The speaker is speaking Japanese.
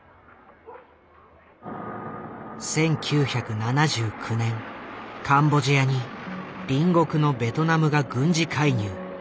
１９７９年カンボジアに隣国のベトナムが軍事介入。